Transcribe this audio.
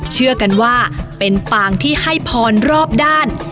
เชื่อกันว่าเป็นปางที่ให้พรรอบด้าน